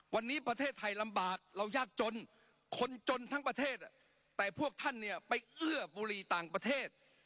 วันนี้ประเทศไทยลำบากเรายากจนคนจนทั้งประเทศแต่พวกท่านเนี่ยไปเอื้อบุรีต่างประเทศ